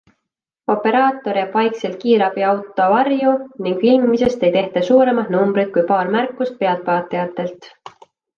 Operaator jääb vaikselt kiirabiauto varju ning filmimisest ei tehta suuremat numbrit kui paar märkust pealtvaatajatelt.